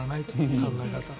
考え方は。